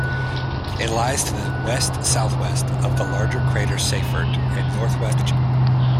It lies to the west-southwest of the larger crater Seyfert, and northwest of Deutsch.